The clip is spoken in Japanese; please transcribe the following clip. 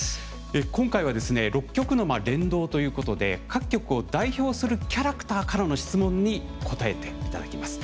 今回はですね６局の連動ということで各局を代表するキャラクターからの質問に答えていただきます。